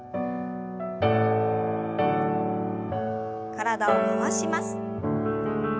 体を回します。